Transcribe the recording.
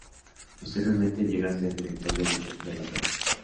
Posteriormente llega a ser director de dicho conservatorio.